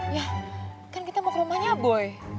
ya kan kita mau ke rumahnya boy